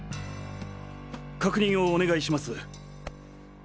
確認をお願いします。